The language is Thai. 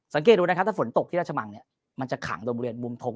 สังเกตดูนะครับถ้าฝนตกที่ราชมังเนี่ยมันจะขังตรงบริเวณมุมทง